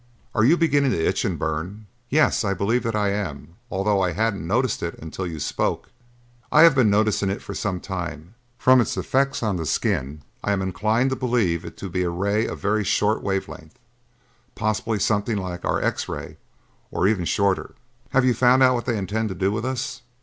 Are you beginning to itch and burn?" "Yes, I believe that I am, although I hadn't noticed it until you spoke." "I have been noticing it for some time. From its effects on the skin, I am inclined to believe it to be a ray of very short wave length, possibly something like our X ray, or even shorter." "Have you found out what they intend to do with us?"